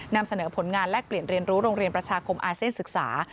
นำเสนอผลงานแลกเปลี่ยนเรียนรู้โรงเรียนประชาคมอาเซียนศึกษา